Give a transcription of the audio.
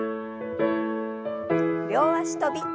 両脚跳び。